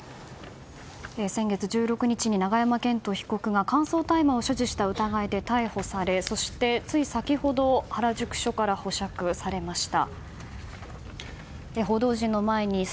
先月１６日に永山絢斗被告が乾燥大麻を所持した疑いで逮捕されそして、つい先ほど原宿署から保釈されました。